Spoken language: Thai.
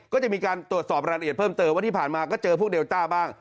ก็จะมีการตรวจสอบรายละเอียดเพิ่มเติมว่าที่ผ่านมาก็เจอพวกเลต้าบ้าง